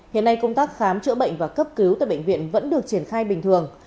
hiện nay công tác khám chữa bệnh và cấp cứu tại bệnh viện vẫn được triển khai bình thường